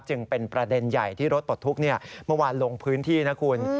จึงเป็นประเด็นใหญ่ที่รถปลดทุกข์เมื่อวานลงพื้นที่นะคุณ